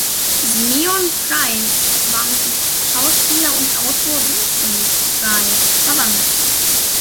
Simeon Price war mit dem Schauspieler und Autor Vincent Price verwandt.